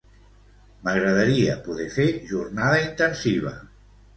M'agradaria poder fer jornada intensiva